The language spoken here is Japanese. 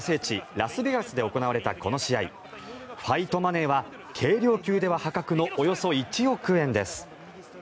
ラスベガスで行われたこの試合ファイトマネーは軽量級では破格のおよそ１億円です。